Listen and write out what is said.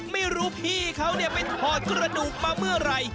ไม่รู้พี่เขาไปถอดกระดูกมาเมื่อไหร่